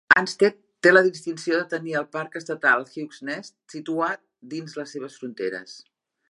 Ansted té la distinció de tenir el parc estatal Hawk's Nest situat dins les seves fronteres.